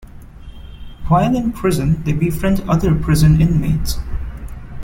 While in prison they befriend other prison inmates.